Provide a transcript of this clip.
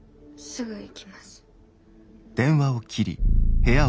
すぐ行きます。